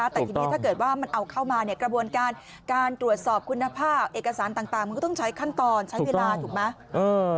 แต่ทีนี้ถ้าเกิดว่ามันเอาเข้ามากระบวนการการตรวจสอบคุณภาพเอกสารต่างมันก็ต้องใช้ขั้นตอนใช้เวลาถูกไหม